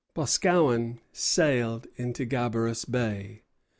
Boscawen sailed into Gabarus Bay.